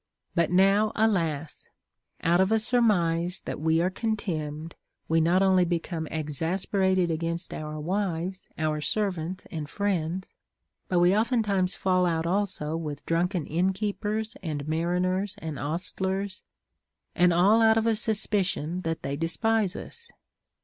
But now, alas ! out of a surmise that Ave are contemned, we not onlv become exasperated against our Avives, our servants, and friends, but we oftentimes fall out also Avith drunken inn keepers, and mariners and ostlers, and all out of a suspicion that they despise us.